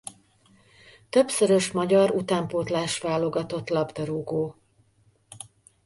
Többszörös magyar utánpótlás válogatott labdarúgó.